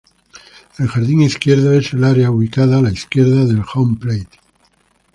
El jardín izquierdo es el área ubicada a la izquierda del Home plate.